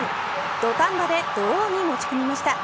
土壇場でドローに持ち込みました。